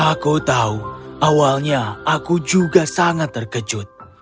aku tahu awalnya aku juga sangat terkejut